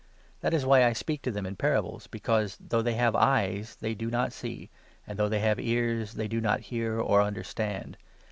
That is why I speak to them 13 in parables, because, though they have eyes, they do not see, and though they have ears, they do not hear or understand.